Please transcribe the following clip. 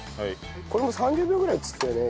これ３０秒ぐらいっつってたよね。